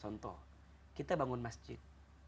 contoh kita bangun masjid